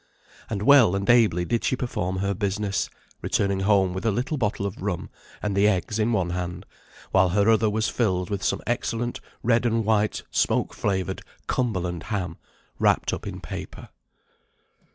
And well and ably did she perform her business, returning home with a little bottle of rum, and the eggs in one hand, while her other was filled with some excellent red and white smoke flavoured Cumberland ham, wrapped up in paper.